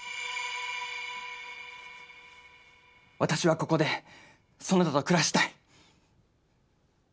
私はここでそなたと暮らしたい。